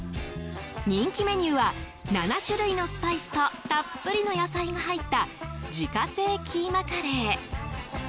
人気メニューは７種類のスパイスとたっぷりの野菜が入った自家製キーマカレー。